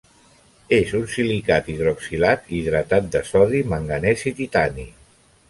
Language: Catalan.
És un silicat hidroxilat i hidratat de sodi, manganès i titani.